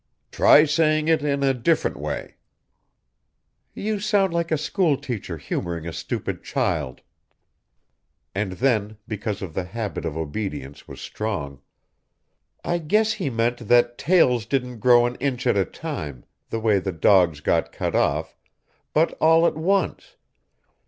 "Try saying it in a different way." "You sound like a school teacher humoring a stupid child." And then, because of the habit of obedience was strong, "I guess he meant that tails didn't grow an inch at a time, the way the dog's got cut off, but all at once